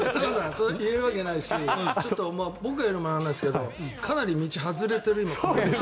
それを言えるわけないですし僕が言うのもなんですけどかなり道、外れているので。